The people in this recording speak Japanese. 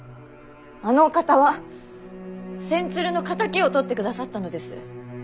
あのお方は千鶴の敵をとってくださったのです。